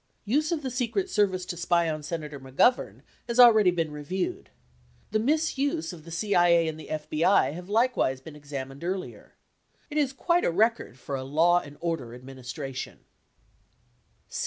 Use of the Secret Service to spy on Senator McGovern has already been reviewed. The misuse of the CIA and the FBI have likewise been examined earlier. It is quite a record for a "law and order" administration.